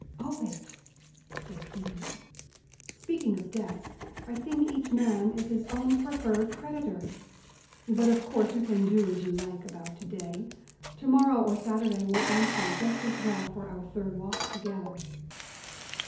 "Owe it?" said he. "Speaking of debts, I think each man is his own preferred creditor. But of course you can do as you like about to day. Tomorrow or Saturday will answer just as well for our third walk together."